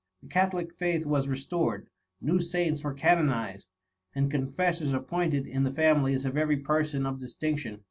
The Catholic faith was re stored, new saints were canonized, and con fessors appointed in the families of every person of distinction.